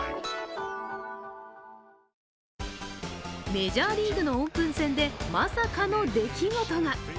メジャーリーグのオープン戦でまさかの出来事が。